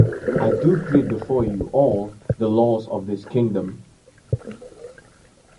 I do plead before you all the laws of this kingdom.